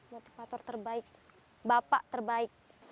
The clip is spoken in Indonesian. motivator terbaik bapak terbaik